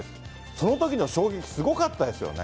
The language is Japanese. そのときの衝撃、すごかったですよね。